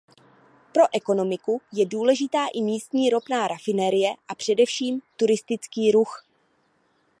Pro ekonomiku je důležitá i místní ropná rafinerie a především turistický ruch.